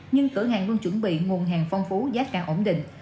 nhưng cửa hàng luôn chuẩn bị nguồn hàng phong phú giá cả ổn định